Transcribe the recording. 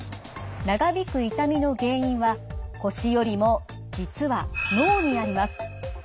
長引く痛みの原因は腰よりも実は脳にあります。